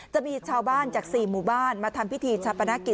จะมีชาวบ้านจาก๔หมู่บ้านมาทำพิธีชาปนกิจ